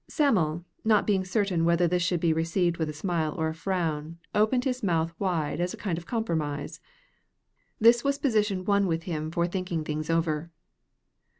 Sam'l, not being certain whether this should be received with a smile or a frown, opened his mouth wide as a kind of compromise. This was position one with him for thinking things over.